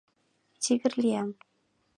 — Тигр лиям.